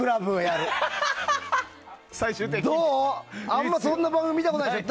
あんまそんな番組見たことないでしょ。